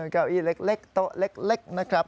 เก้าอี้เล็กโต๊ะเล็กนะครับ